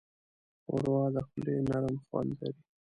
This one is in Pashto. ښوروا د خولې نرم خوند لري.